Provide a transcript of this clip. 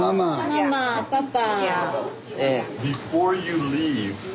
ママパパ。